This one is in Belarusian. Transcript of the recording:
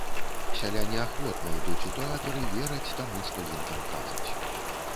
Сяляне ахвотна ідуць у тэатр і вераць таму, што ім там кажуць.